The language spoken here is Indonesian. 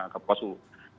kepulauan kopo suluh